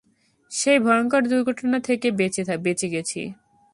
সেই ভয়ঙ্কর দুর্ঘটনা থেকে বেঁচে গেছি।